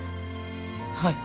はい。